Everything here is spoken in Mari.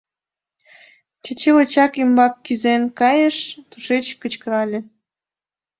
Чачи очак ӱмбак кӱзен кайыш, тушеч кычкырале: